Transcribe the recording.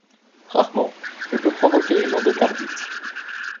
Rarement, elle peut provoquer une endocardite.